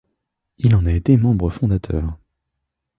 Il en a été membre fondateur.